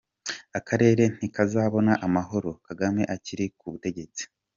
Akarere ntikazabona amahoro Kagame akiri ku butegetsi.